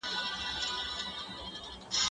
قلم د زده کوونکي له خوا استعمالوم کيږي؟!